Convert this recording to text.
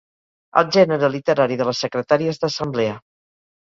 El gènere literari de les secretàries d'assemblea.